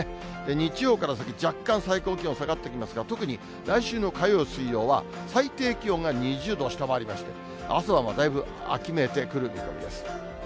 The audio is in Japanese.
日曜から先、若干最高気温下がってきますが、特に来週の火曜、水曜は最低気温が２０度を下回りまして、朝はだいぶ秋めいてくる見込みです。